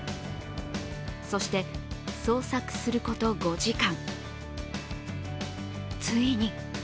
そして捜索すること５時間。